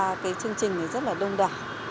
và cái chương trình này rất là đông đả